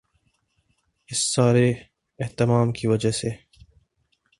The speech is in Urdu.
اس سارے اہتمام کی وجہ سے